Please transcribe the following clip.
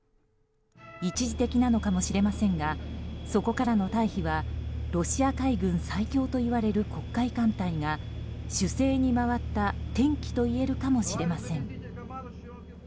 一時的なのかもしれませんがそこからの退避はロシア海軍最強といわれる黒海艦隊が守勢に回った転機といえるかもしれません。